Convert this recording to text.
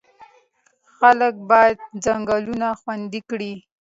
خلک باید ځنګلونه خوندي کړي.